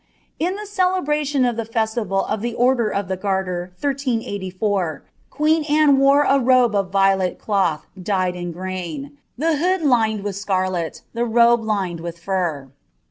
Al ilie celebration of the featival of ihe Order v( the Garter, 1384, quern Anne wore a robe of rinlet cloih dyed in grain, the hood lined with scarlet, liie robe lined wilh fur.